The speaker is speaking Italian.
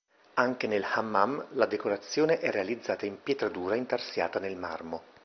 Anche nel hammam, la decorazione è realizzata in pietra dura intarsiata nel marmo.